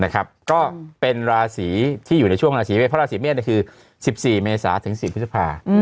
ก็เป็นราศีที่อยู่ในช่วงราศีเมษเพราะราศีเมษคือ๑๔เมษาถึง๑๐พฤษภา